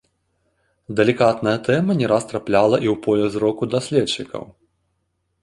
Далікатная тэма не раз трапляла і ў поле зроку даследчыкаў.